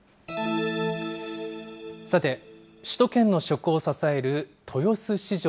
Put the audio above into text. さて、首都圏の食を支える豊洲市場。